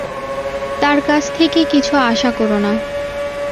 তার কাছ থেকে কিছু আশা করো না।